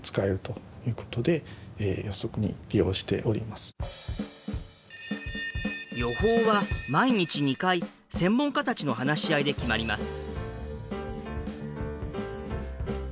まずは予報は毎日２回専門家たちの話し合いで決まります。